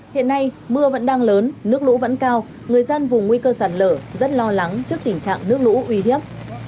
hiện nay mưa vẫn đang lớn nước lũ vẫn cao người dân vùng nguy cơ sạt lở rất lo lắng trước tình trạng nước lũ uy hiếp